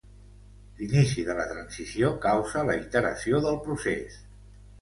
L’inici de la transició causa la iteració del procés.